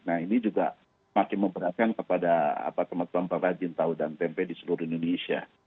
nah ini juga makin memperhatikan kepada apa kematian pengrajin tahu dan tempe di seluruh indonesia